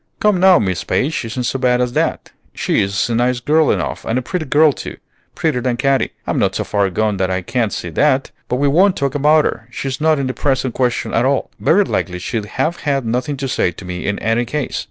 "Come, now, Miss Page isn't so bad as that. She is a nice girl enough, and a pretty girl too, prettier than Katy; I'm not so far gone that I can't see that. But we won't talk about her, she's not in the present question at all; very likely she'd have had nothing to say to me in any case.